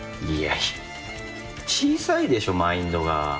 「いやいや小さいでしょマインドが」